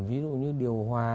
ví dụ như điều hòa